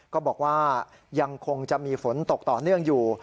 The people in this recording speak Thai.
ก็บอกว่ายังคงจะมีฝนตกต่อเนื่องอยู่